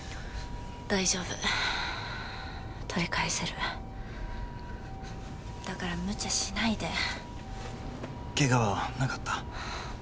大丈夫取り返せるだからむちゃしないでケガはなかった？